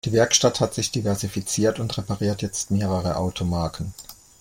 Die Werkstatt hat sich diversifiziert und repariert jetzt mehrere Automarken.